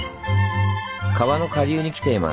川の下流に来ています。